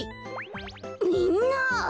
みんな！